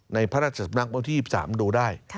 ในพระราชสำนักวันที่๒๓ดูได้